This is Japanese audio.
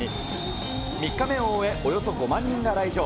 ３日目を終え、およそ５万人が来場。